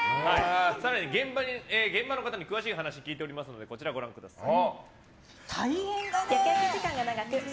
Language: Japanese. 更に現場の方に詳しい話を聞いておりますのでこちらをご覧ください。